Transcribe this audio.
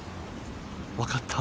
分かった。